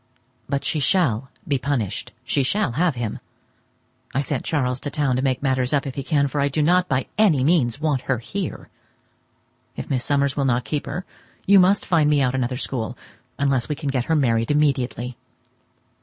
But she shall be punished, she shall have him. I have sent Charles to town to make matters up if he can, for I do not by any means want her here. If Miss Summers will not keep her, you must find me out another school, unless we can get her married immediately.